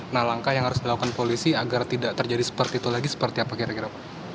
nah langkah yang harus dilakukan polisi agar tidak terjadi seperti itu lagi seperti apa kira kira